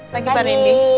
pagi pak rendy